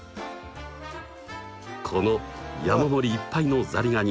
この山盛りいっぱいのザリガニ！